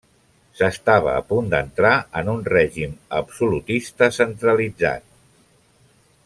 S'estava a punt d'entrar en un règim absolutista centralitzat.